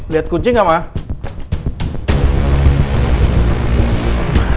lihat kunci gak mah